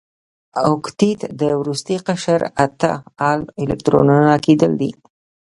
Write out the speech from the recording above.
اوکتیت د وروستي قشر اته ال الکترونه کیدل دي.